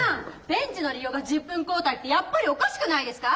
ベンチの利用が１０分交代ってやっぱりおかしくないですか？